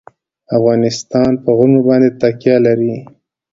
افغانستان په غرونه باندې تکیه لري.